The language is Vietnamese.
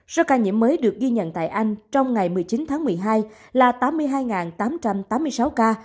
số ca nhiễm mới được ghi nhận tại anh trong ngày một mươi chín tháng một mươi hai là tám mươi hai tám trăm tám mươi sáu ca